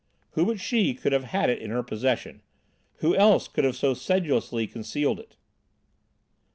Who but she could have had it in her possession? Who else could have so sedulously concealed it?